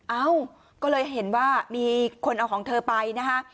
เอ้าก็เลยเห็นว่ามีคนเอาของเธอไปนะคะ